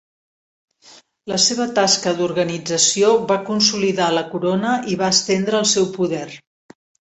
La seva tasca d'organització va consolidar la corona i va estendre el seu poder.